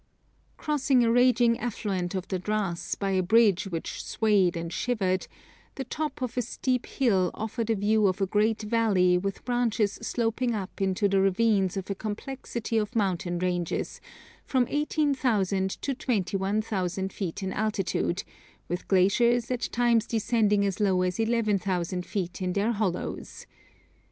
Crossing a raging affluent of the Dras by a bridge which swayed and shivered, the top of a steep hill offered a view of a great valley with branches sloping up into the ravines of a complexity of mountain ranges, from 18,000 to 21,000 feet in altitude, with glaciers at times descending as low as 11,000 feet in their hollows.